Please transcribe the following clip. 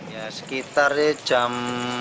ya sekitar jam